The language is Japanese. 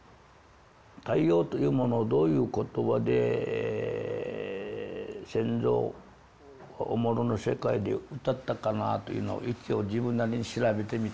太陽というものをどういう言葉で先祖「おもろ」の世界で歌ったかなというのを一応自分なりに調べてみたら。